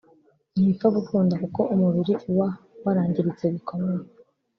ntibipfa gukunda kuko umubiri uwa warangiritse bikomeye